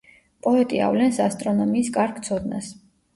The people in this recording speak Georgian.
პოეტი ავლენს ასტრონომიის კარგ ცოდნას.